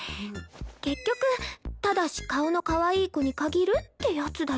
結局「ただし顔のかわいい子に限る」ってやつだよ。